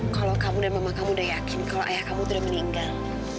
kalau kamu dan mama kamu sudah yakin kalau ayah kamu sudah meninggal